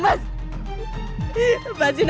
aku punya kekecewaan